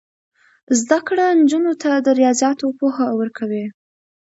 زده کړه نجونو ته د ریاضیاتو پوهه ورکوي.